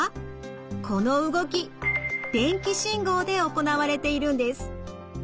この動き電気信号で行われているんです。